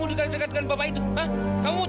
dia itu kan pak